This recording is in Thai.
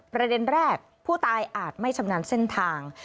ประเด็นแรกผู้ตายอาจไม่ชำนาญเส้นทาง